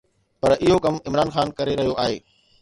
پر اهو ڪم عمران خان ڪري رهيو آهي.